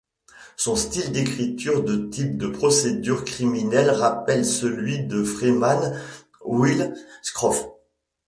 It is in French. Son style d'écriture de type de procédure criminelle rappelle celui de Freeman Wills Crofts.